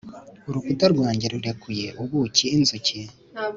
Urukuta rwanjye rurekuye ubukiinzuki